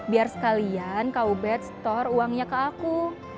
biar sekalian kubed store uangnya ke aku